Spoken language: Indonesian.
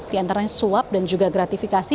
diantaranya suap dan juga gratifikasi